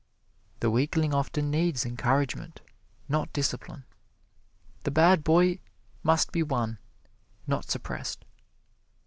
The weakling often needed encouragement, not discipline. The bad boy must be won, not suppressed.